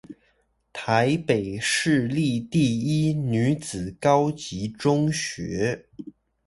臺北市立第一女子高級中學